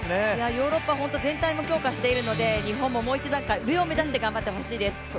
ヨーロッパ全体も強化しているので日本ももう一段階上を目指して頑張ってほしいです。